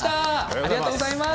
ありがとうございます。